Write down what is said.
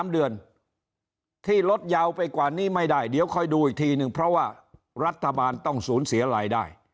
๓เดือนที่ลดยาวไปกว่านี้ไม่ได้เดี๋ยวคอยดูอีกทีนึงเพราะว่ารัฐบาลต้องสูญเสียรายได้